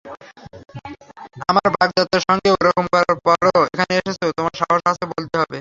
আমার বাগদত্তার সঙ্গে ওরকম করার পরেও এখানে এসেছ, তোমার সাহস আছে বলতে হবে।